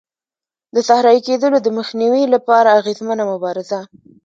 د صحرایې کېدلو د مخنیوي لپاره اغېزمنه مبارزه.